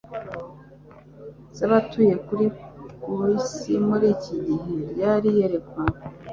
z’abatuye kuri ku isi muri iki gihe. Ryari iyerekwa